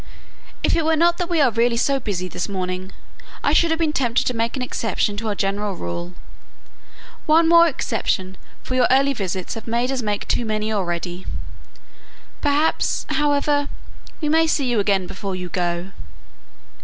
"If it were not that we really are so busy this morning, I should have been tempted to make an exception to our general rule; one more exception, for your early visits have made us make too many already. Perhaps, however, we may see you again before you go?"